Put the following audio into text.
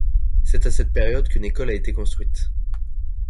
C'est à cette période qu'une école a été construite.